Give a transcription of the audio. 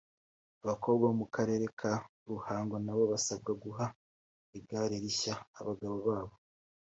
abakobwa bo mu karere ka ruhango nabo basabwa guha igare rishya abagabo babo